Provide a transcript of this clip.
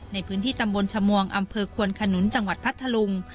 ในพื้นที่ตำบลชมวงอำเภอควนขนุนจังหวัดพัทธลุง